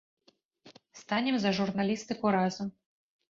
Станем за журналістыку разам!